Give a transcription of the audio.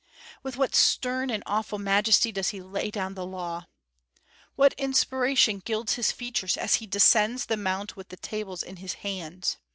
With what stern and awful majesty does he lay down the law! What inspiration gilds his features as he descends the Mount with the Tables in his hands!